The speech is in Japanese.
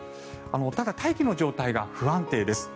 ただ、大気の状態が不安定です。